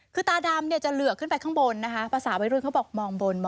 คือตาดำเนี่ยจะเหลือกขึ้นไปข้างบนนะคะภาษาวัยรุ่นเขาบอกมองบน